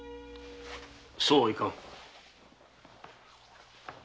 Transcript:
そうはいかん。